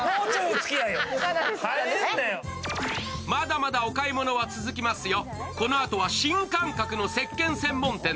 まだまだお買い物は続きますよ。